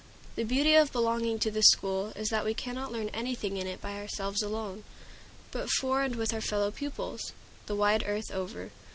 The beauty of belonging to this school is that we cannot learn anything in it by ourselves alone, but for and with our fellow pupils, the wide earth over.